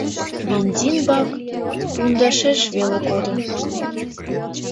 Бензин бак пундашеш веле кодын.